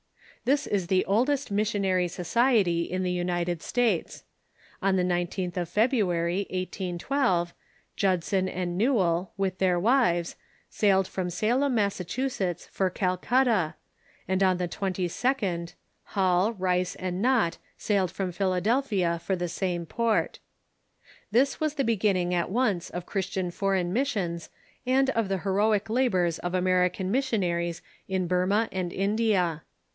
This is the old est missionary society in the United States. On the 19th of February, 1812, Judson and Newell, with their wives, sailed from Salem, Massachusetts, for Calcutta, and on the 22d Hall, Rice, and Nott sailed from Philadelphia for the same port. This was the beginning at once of American foreign missions and of the heroic labors of American missionaries in Burma and India.